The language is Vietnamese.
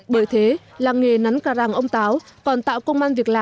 bởi thế làng nghề nắn cà ràng ông táo đã hình thành ở địa phương hơn nửa thế kỷ qua